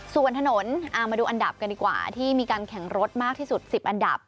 ส่วนถนนมาดูอันดับกันดีกว่าที่มีการแข่งรถมากที่สุด๑๐อันดับ